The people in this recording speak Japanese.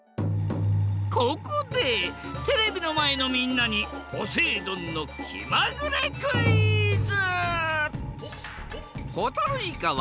ここでテレビのまえのみんなにポセイ丼のきまぐれクイズ！